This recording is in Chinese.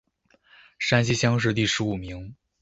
山西乡试第十五名。